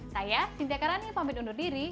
saya sinta karani pamit undur diri